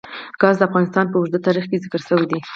ګاز د افغانستان په اوږده تاریخ کې ذکر شوی دی.